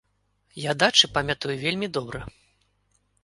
Я дачы памятаю вельмі добра.